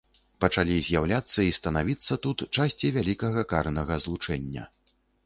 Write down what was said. Пачалі з'яўляцца і станавіцца тут часці вялікага карнага злучэння.